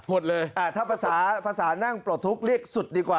หมดเลยถ้าภาษาภาษานั่งปลดทุกข์เรียกสุดดีกว่า